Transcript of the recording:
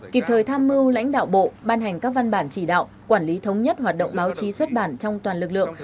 kịp thời tham mưu lãnh đạo bộ ban hành các văn bản chỉ đạo quản lý thống nhất hoạt động báo chí xuất bản trong toàn lực lượng